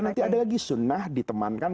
nanti ada lagi sunnah ditemankan